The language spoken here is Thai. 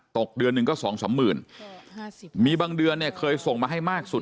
ตกเดือนหนึ่งก็สองสามหมื่นมีบางเดือนเนี่ยเคยส่งมาให้มากสุด